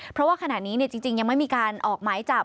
เพราะว่าขณะนี้จริงยังไม่มีการออกหมายจับ